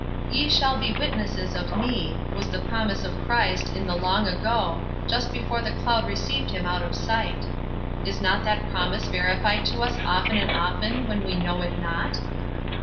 "Ye shall be witnesses of me," was the promise of Christ in the long ago, just before the cloud received him out of sight. Is not that promise verified to us often and often when we know it not?